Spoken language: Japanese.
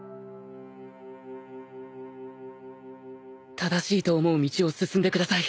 正しいと思う道を進んでください。